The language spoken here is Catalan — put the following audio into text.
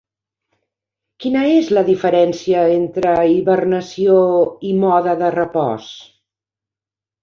Quina és la diferència entre hibernació i mode de repòs?